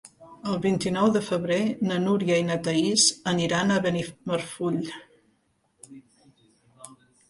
El vint-i-nou de febrer na Núria i na Thaís aniran a Benimarfull.